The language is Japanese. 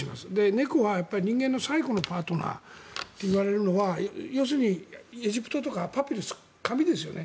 猫は人間の最後のパートナーと言われるのは要するにエジプトとか紙ですよね。